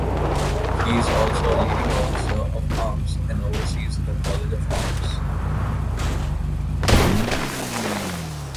He is also a leading officer of arms and oversees the College of Arms.